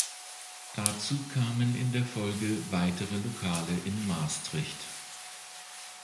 Dazu kamen in der Folge weitere Lokale in Maastricht.